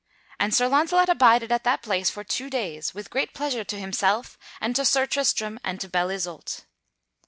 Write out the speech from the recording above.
And Sir Launcelot abided at that place for two days, with great pleasure to himself and to Sir Tristram and to Belle Isoult.